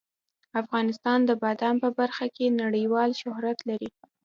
افغانستان د بادام په برخه کې نړیوال شهرت لري.